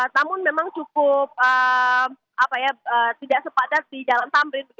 namun memang cukup tidak sepadat di jalan tamrin